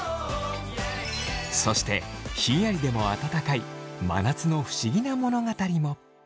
そしてひんやりでも温かい真夏の不思議な物語も。